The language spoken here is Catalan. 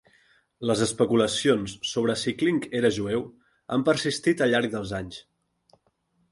Les especulacions sobre si Kling era jueu han persistit al llarg del anys.